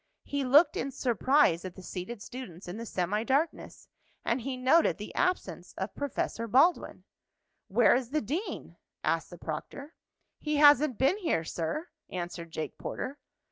He looked in surprise at the seated students in the semi darkness, and he noted the absence of Professor Baldwin. "Where is the dean?" asked the proctor. "He hasn't been here, sir," answered Jake Porter.